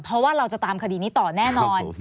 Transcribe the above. เพราะว่าเราจะตามคดีนี้ต่อแน่นอน